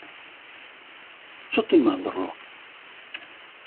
Sotto il mandorlo.